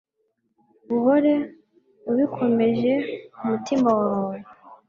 Uhore ubikomeje ku mutima wawe